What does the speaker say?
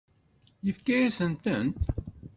Yefka-yasent-tent?